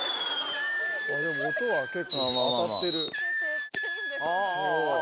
でも音は結構当たってる。